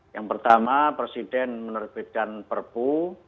yang pertama presiden menerbitkan perpu